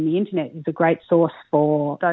dan internet adalah sumber yang bagus